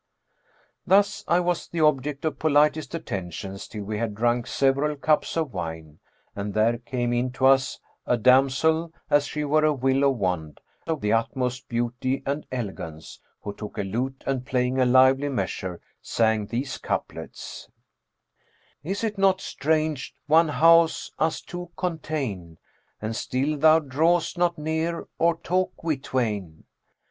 Thus I was the object of politest attentions till we had drunk several cups of wine and there came into us a damsel as she were a willow wand of the utmost beauty and elegance, who took a lute and playing a lively measure, sang these couplets, 'Is it not strange one house us two contain * And still thou draw'st not near, or talk we twain?